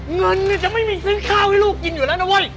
เงินเนี่ยจะไม่มีซื้อข้าวให้ลูกกินอยู่แล้วนะเว้ย